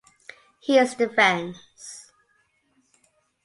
He is defense.